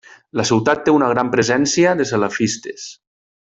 La ciutat té una gran presència de salafistes.